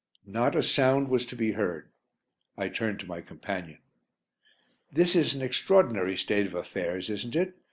Not a sound was to be heard. I turned to my companion. "This is an extraordinary state of affairs, isn't it?